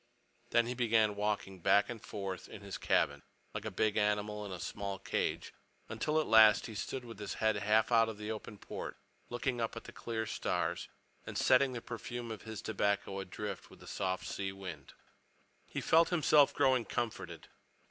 Then he began walking back and forth in his cabin, like a big animal in a small cage, until at last he stood with his head half out of the open port, looking at the clear stars and setting the perfume of his tobacco adrift with the soft sea wind. He felt himself growing comforted.